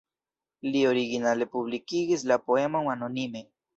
Li originale publikigis la poemon anonime.